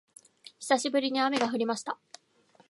久しぶりに雨が降りました